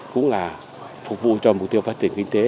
cũng là phục vụ cho mục tiêu phát triển kinh tế